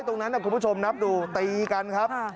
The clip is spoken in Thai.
ตรงนั้นคุณผู้ชมนับดูตีกันครับ